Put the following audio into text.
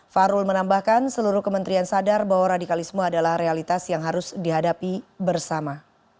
fahrul menambahkan seluruh kementerian sadar bahwa radikalisme adalah realitas yang harus dihadapi bersama